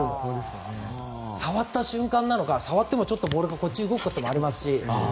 触った瞬間なのか、触ってもちょっとボールが動くこともありますし